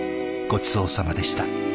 ごちそうさまでした。